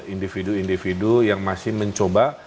satu dua individu individu yang masih mencoba